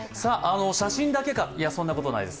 写真だけか、いや、そんなことないです。